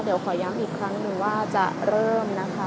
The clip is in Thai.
เดี๋ยวขอย้ำอีกครั้งหนึ่งว่าจะเริ่มนะคะ